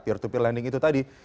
peer to peer lending itu tadi